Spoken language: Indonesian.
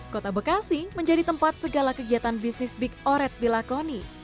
kota bekasi menjadi tempat segala kegiatan bisnis big oret dilakoni